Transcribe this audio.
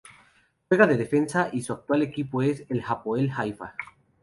Juega de defensa y su actual equipo es el Hapoel Haifa.